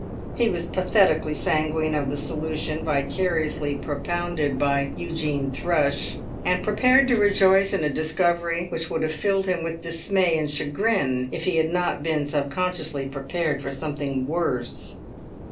He was pathetically sanguine of the solution vicariously propounded by Eugene Thrush, and prepared to rejoice in a discovery which would have filled him with dismay and chagrin if he had not been subconsciously prepared for something worse.